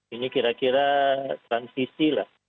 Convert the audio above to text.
ini kira kira transisi lah